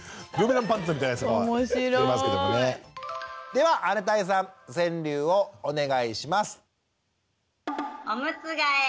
では姉帶さん川柳をお願いします。